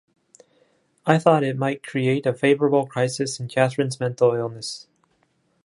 I thought it might create a favorable crisis in Catherine's mental illness.